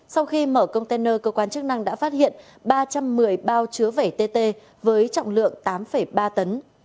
sau khi mở container cơ quan chức năng đã phát hiện ba trăm một mươi bao chứa vẩy tt với trọng lượng tám ba tấn